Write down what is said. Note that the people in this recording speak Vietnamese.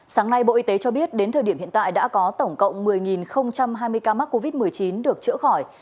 sáng nay bộ y tế cho biết đến thời điểm hiện tại đã có tổng cộng một mươi hai mươi ca mắc covid một mươi chín được chữa khỏi